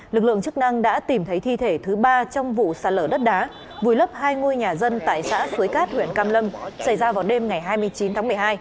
lực lượng chức năng đã tìm thấy thi thể thứ ba trong vụ sạt lở đất đá vùi lấp hai ngôi nhà dân tại xã suối cát huyện cam lâm xảy ra vào đêm ngày hai mươi chín tháng một mươi hai